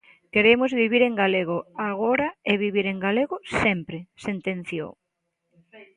"Queremos vivir en galego agora e vivir en galego sempre", sentenciou.